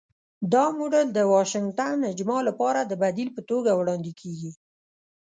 دا موډل د 'واشنګټن اجماع' لپاره د بدیل په توګه وړاندې کېږي.